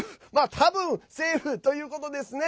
多分セーフということですね。